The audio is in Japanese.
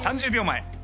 ３０秒前。